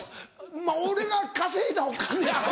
俺が稼いだお金アカン。